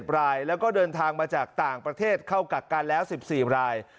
รายแล้วก็เดินทางมาจากต่างประเทศเข้ากักกันแล้ว๑๔ราย